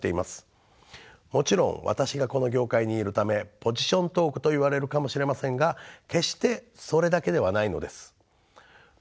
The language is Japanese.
もちろん私がこの業界にいるためポジショントークといわれるかもしれませんが決してそれだけではないのです。